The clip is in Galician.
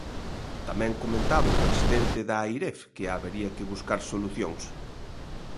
Tamén comentaba o presidente da Airef que habería que buscar solucións.